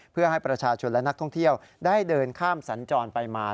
เพื่อให้ประชาชนและนักท่องเที่ยวได้เดินข้ามสัญจรไปมา